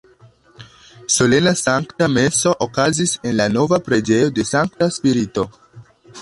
Solena Sankta Meso okazis en la nova preĝejo de Sankta Spirito.